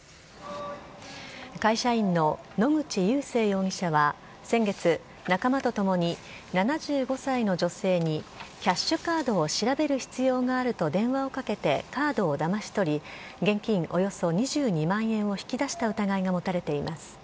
会社員の野口裕生容疑者は先月、仲間とともに７５歳の女性にキャッシュカードを調べる必要があると電話をかけてカードをだまし取り現金およそ２２万円を引き出した疑いが持たれています。